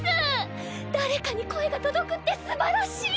誰かに声が届くってすばらしい！